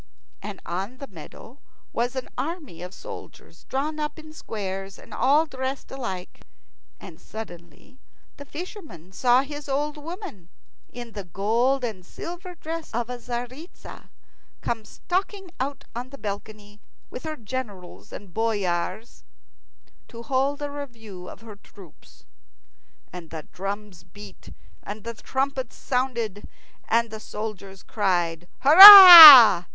And on the meadow was an army of soldiers drawn up in squares and all dressed alike. And suddenly the fisherman saw his old woman in the gold and silver dress of a Tzaritza come stalking out on the balcony with her generals and boyars to hold a review of her troops. And the drums beat and the trumpets sounded, and the soldiers cried "Hurrah!"